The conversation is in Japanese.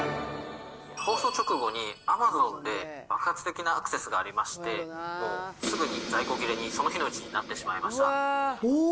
放送直後にアマゾンで、爆発的なアクセスがありまして、すぐに在庫切れに、その日のうちになってしまいました。